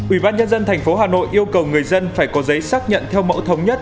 ủy ban nhân dân tp hà nội yêu cầu người dân phải có giấy xác nhận theo mẫu thống nhất